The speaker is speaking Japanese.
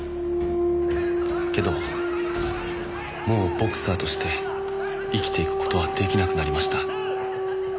「けどもうボクサーとして生きていくことは出来なくなりました」